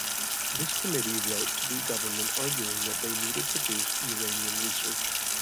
This committee wrote to the government arguing that they needed to boost uranium research.